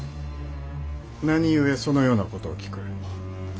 何故そのようなことを聞く。